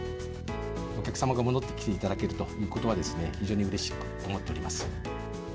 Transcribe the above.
お客様が戻ってきていただけるということは、非常にうれしく思っております。